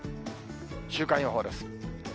週間予報です。